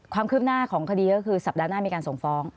ความคืบหน้าของคดีก็คือสัปดาห์หน้ามีการส่งฟ้อง